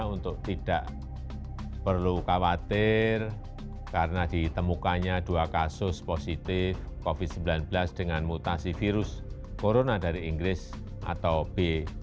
untuk tidak perlu khawatir karena ditemukannya dua kasus positif covid sembilan belas dengan mutasi virus corona dari inggris atau b dua puluh